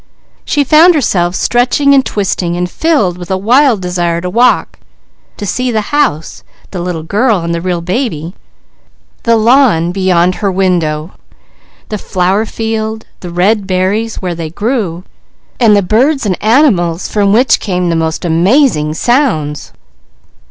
She found herself stretching, twisting and filled with a wild desire to walk, to see the house, the little girl and the real baby, the lawn beyond her window, the flower field, the red berries where they grew, and the birds and animals from which came the most amazing sounds.